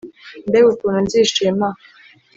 mbega ukuntu nzishima,